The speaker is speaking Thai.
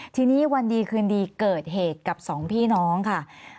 ทีนี้วันดีคืนดีเกิดเหตุกับสองพี่น้องค่ะ